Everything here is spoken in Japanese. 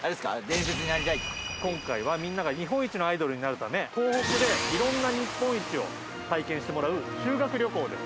今回はみんなが日本一のアイドルになるため東北で色んな日本一を体験してもらう修学旅行です。